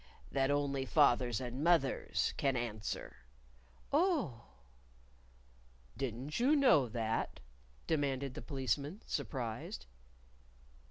"That only fathers and mothers can answer." "Oh!" "Didn't you know that?" demanded the Policeman, surprised.